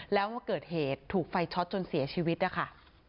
แล้วมาเกิดเหตุถูกไฟช็อตจนเสียชีวิตนะคะ